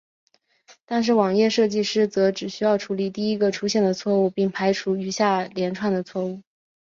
但是网页设计师则只需要处理第一个出现的错误并排除余下连串的错误。